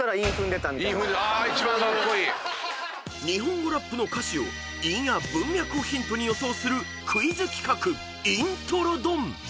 ［日本語ラップの歌詞を韻や文脈をヒントに予想するクイズ企画韻トロドン！］